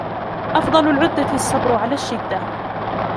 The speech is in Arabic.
أَفْضَلُ الْعُدَّةِ الصَّبْرُ عَلَى الشِّدَّةِ